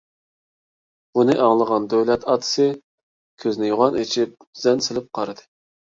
بۇنى ئاڭلىغان دۆلەت ئاتىسى كۆزىنى يوغان ئېچىپ زەن سېلىپ قارىدى.